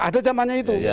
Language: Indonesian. ada zamannya itu